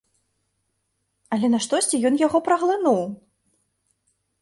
Але наштосьці ён яго праглынуў!